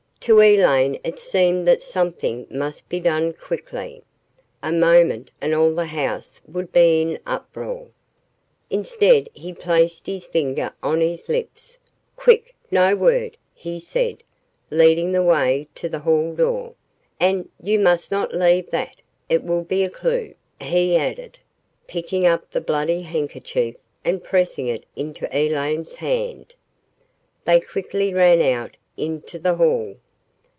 To Elaine it seemed that something must be done quickly. A moment and all the house would be in uproar. Instead, he placed his finger on his lips. "Quick no word," he said, leading the way to the hall door, "and you must not leave that it will be a clue," he added, picking up the bloody handkerchief and pressing it into Elaine's hand. They quickly ran out into the hall.